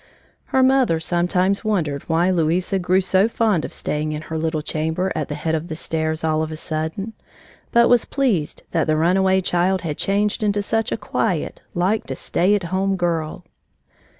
Her mother sometimes wondered why Louisa grew so fond of staying in her little chamber at the head of the stairs, all of a sudden, but was pleased that the runaway child had changed into such a quiet, like to stay at home girl.